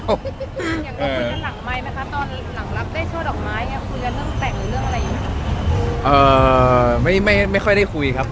คุณอย่างยังถึงพูดกับหลังไมม่าก่อนหลังลับช่วงเจ้าดอกไม้คุยกันเรื่องแต่งอะไรอีกครับ